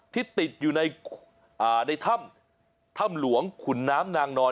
ที่ติดอยู่ในถ้ำถ้ำหลวงขุนน้ำนางนอน